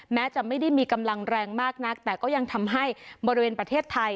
แม้จะไม่ได้มีกำลังแรงมากนักแต่ก็ยังทำให้บริเวณประเทศไทย